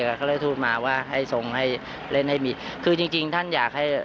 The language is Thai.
เขาได้ทูตมาว่าให้ทรงให้เล่นให้มีคือจริงจริงท่านอยากให้